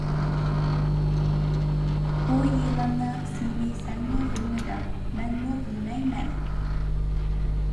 بۇ يىلاننىڭ ئىسمىنى سەنمۇ بىلمىدىڭ، مەنمۇ بىلمەيمەن.